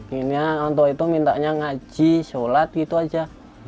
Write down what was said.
pengennya orang tua itu mintanya ngaji sholat gitu aja